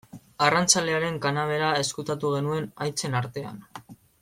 Arrantzalearen kanabera ezkutatu genuen haitzen artean.